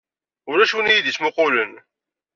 Ulac win i iyi-d-yettmuqulen.